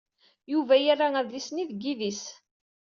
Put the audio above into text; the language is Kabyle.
Yuba yerra adlis-nni deg yidis.